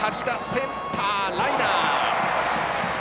センターライナー。